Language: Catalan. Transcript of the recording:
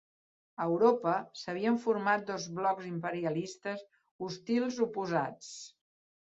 A Europa, s'havien format dos blocs imperialistes hostils oposats.